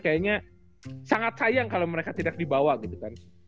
kayaknya sangat sayang kalau mereka tidak dibawa gitu kan